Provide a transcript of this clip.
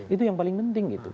itu yang paling penting gitu